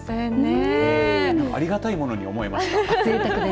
ありがたいものに思えました。